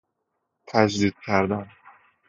تجدید کردن